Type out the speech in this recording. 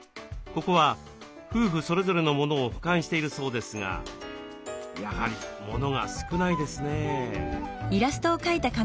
ここは夫婦それぞれのモノを保管しているそうですがやはりモノが少ないですね。